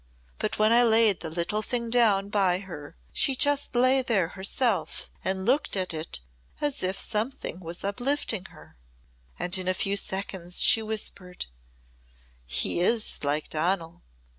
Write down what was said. But when I laid the little thing down by her she just lay there herself and looked at it as if something was uplifting her. And in a few seconds she whispered, 'He is like Donal.'